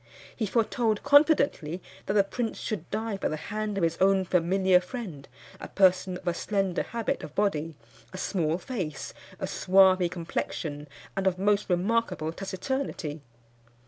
He foretold confidently that the prince should die by the hand of his own familiar friend, a person of a slender habit of body, a small face, a swarthy complexion, and of most remarkable taciturnity.